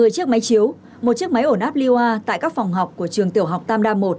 một mươi chiếc máy chiếu một chiếc máy ổn ap liwa tại các phòng học của trường tiểu học tam đa một